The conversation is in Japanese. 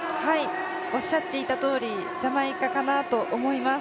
おっしゃっていたとおりジャマイカかなと思います。